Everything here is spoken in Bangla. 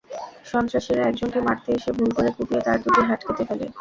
সন্ত্রাসীরা একজনকে মারতে এসে ভুল করে কুপিয়ে তাঁর দুটি হাত কেটে ফেলে।